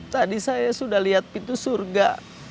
tadi saya sudah lihat pintu surga